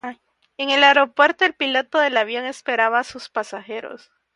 En el aeropuerto el piloto del avión esperaba a sus pasajeros.